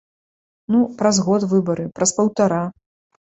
Ну, праз год выбары, праз паўтара.